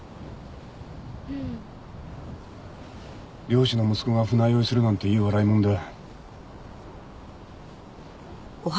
漁師の息子が船酔いするなんていい笑いもんだ。